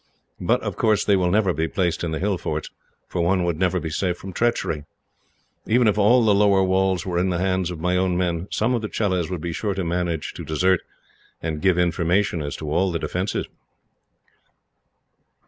But, of course, they will never be placed in the hill forts, for one would never be safe from treachery. Even if all the lower walls were in the hands of my own men, some of the Chelahs would be sure to manage to desert, and give information as to all the defences."